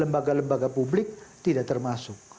lembaga lembaga publik tidak termasuk